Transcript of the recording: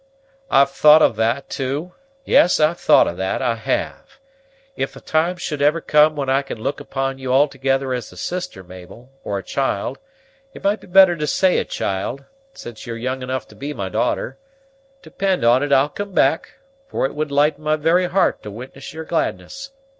"I've thought of that, too; yes, I've thought of that, I have. If the time should ever come when I can look upon you altogether as a sister, Mabel, or a child, it might be better to say a child, since you're young enough to be my daughter, depend on it I'll come back; for it would lighten my very heart to witness your gladness.